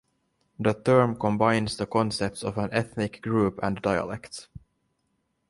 The term combines the concepts of an ethnic group and dialect.